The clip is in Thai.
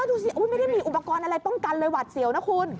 ดูสิไม่ได้มีอุปกรณ์อะไรป้องกันเลยหวัดเสียวนะคุณ